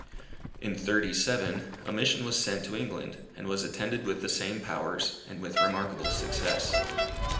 In 'thirty seven, a mission was sent to England, which was attended with the same powers, and with remarkable success.